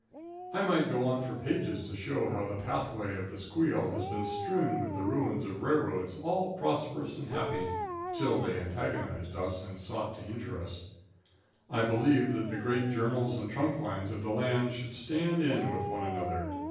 I might go on for pages to show how the pathway of "The Squeal" has been strewn with the ruins of railroads, all prosperous and happy till they antagonized us and sought to injure us. I believe that the great journals and trunk lines of the land should stand in with one another.